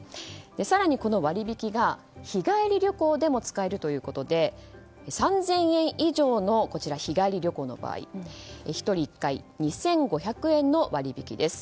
更にこの割引が、日帰り旅行でも使えるということで３０００円以上の日帰り旅行の場合１人１回２５００円の割引です。